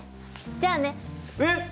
じゃあね。えっ！